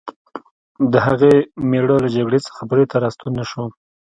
د هغې مېړه له جګړې څخه بېرته راستون نه شو